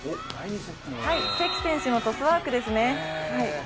関選手のトスワークですね。